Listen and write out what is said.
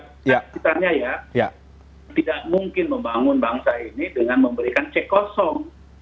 kita tidak mungkin membangun bangsa ini dengan memberikan cek kosong